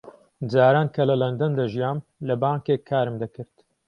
جاران کە لە لەندەن دەژیام لە بانکێک کارم دەکرد.